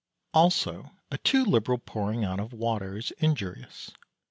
Also a too liberal pouring on of water is injurious.